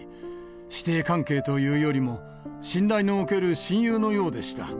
師弟関係というよりも、信頼のおける親友のようでした。